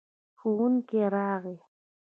ښوونکی راغی.